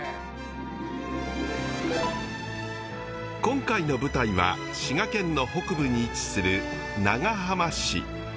今回の舞台は滋賀県の北部に位置する長浜市。